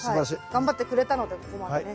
頑張ってくれたのでここまでね。